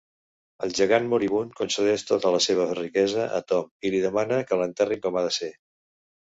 El gegant moribund concedeix tota la seva riquesa a Tom i li demana que l'enterrin com ha de ser.